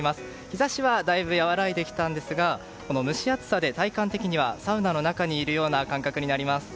日差しはだいぶ和らいできたんですが蒸し暑さで体感的にはサウナの中にいるような感覚になります。